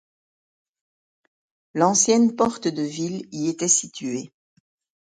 L'ancienne porte de ville y était située.